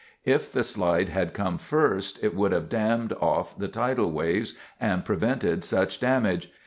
If the slide had come first, it would have dammed off the tidal waves, and prevented such damage.